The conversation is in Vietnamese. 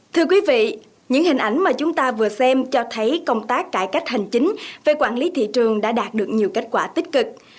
thưa quý vị những hình ảnh mà chúng ta vừa xem cho thấy công tác cải cách hành chính về quản lý thị trường đã đạt được nhiều kết quả tích cực